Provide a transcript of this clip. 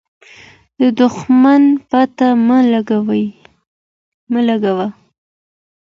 د دښمن پته مه لګوه.